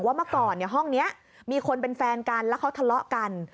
เมื่อก่อนห้องนี้มีคนเป็นแฟนกันแล้วเขาทะเลาะกัน